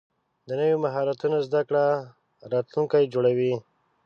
د نوي مهارتونو زده کړه راتلونکی جوړوي.